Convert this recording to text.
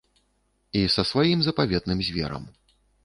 І са сваім запаветным зверам.